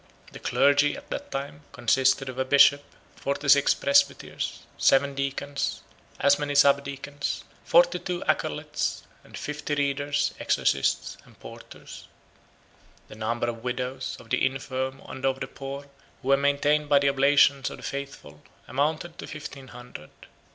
The clergy, at that time, consisted of a bishop, forty six presbyters, seven deacons, as many sub deacons, forty two acolytes, and fifty readers, exorcists, and porters. The number of widows, of the infirm, and of the poor, who were maintained by the oblations of the faithful, amounted to fifteen hundred.